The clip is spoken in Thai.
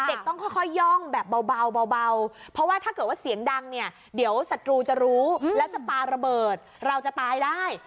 ต้องค่อยย่องแบบเบาเพราะว่าถ้าเกิดว่าเสียงดังเนี่ยเดี๋ยวศัตรูจะรู้แล้วจะปาระเบิดเราจะตายได้